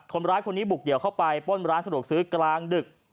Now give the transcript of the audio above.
คนร้ายคนนี้บุกเดี่ยวเข้าไปป้นร้านสะดวกซื้อกลางดึก